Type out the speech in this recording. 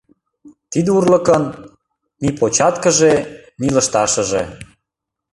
Тиде урлыкын — ни початкыже, ни лышташыже!